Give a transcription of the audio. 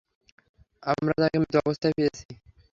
আমরা তাকে মৃত অবস্থায় পেয়েছি।